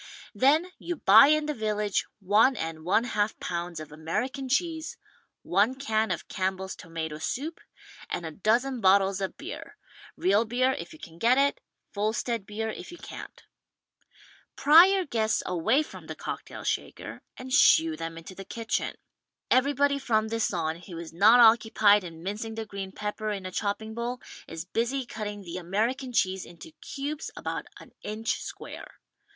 Then you buy in the village one and one half pounds of American cheese, one can of Campbell's Tomato Soup and a dozen bottles of beer — real beer, if you can get it, Volstead beer if you can't. Pry your guests away from the cocktail shaker and shoo [io6] WRITTEN FOR MEN BY MEN them into the kitchen. Everybody from this on who is not occupied in mincing the green pepper in a chopping bowl is busy cutting the American cheese into cubes about an inch square.